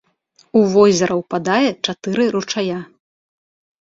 У возера ўпадае чатыры ручая.